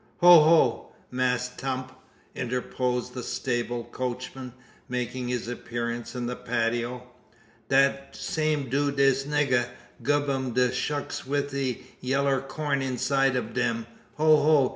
"Ho ho! Mass 'Tump," interposed the sable coachman, making his appearance in the patio. "Dat same do dis nigga gub um de shucks wi' de yaller corn inside ob dem. Ho ho!